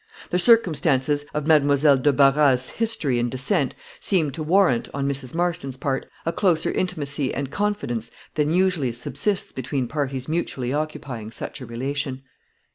The circumstances of Mademoiselle de Barras's history and descent seemed to warrant, on Mrs. Marston's part, a closer intimacy and confidence than usually subsists between parties mutually occupying such a relation.